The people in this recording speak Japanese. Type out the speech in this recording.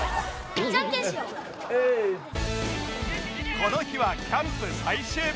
この日はキャンプ最終日